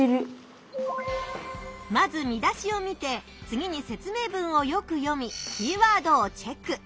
まず見出しを見て次に説明文をよく読みキーワードをチェック。